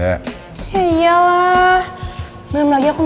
wajah sendiri peralatan bapak neng ya years rude